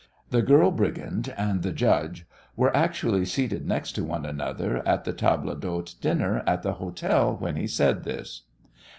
The girl brigand and the judge were actually seated next to one another at the table d'hôte dinner at the hotel when he said this.